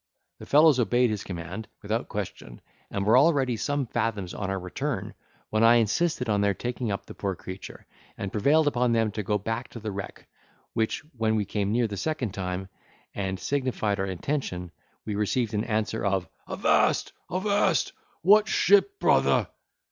The fellows obeyed his command without question, and were already some fathoms on our return, when I insisted on their taking up the poor creature, and prevailed upon them to go back to the wreck, which when we came near the second time, and signified our intention, we received an answer of "Avast, avast—what ship, brother?"